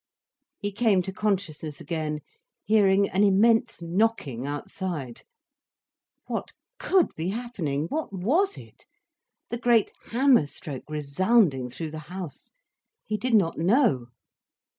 He came to consciousness again, hearing an immense knocking outside. What could be happening, what was it, the great hammer stroke resounding through the house? He did not know.